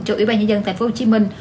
cho ủy ban nhân dân thành phố hồ chí minh